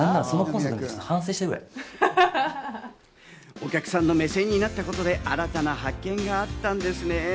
お客さんの目線になったことで、新たな発見があったんですね。